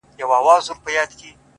حروف د ساز له سوره ووتل سرکښه سوله!